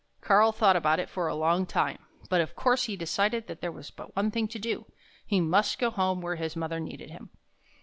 Karl thought about it for a long time; but of course he decided that there was but one thing to do — he must go home where his mother needed him.